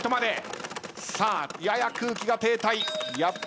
さあやや空気が停滞。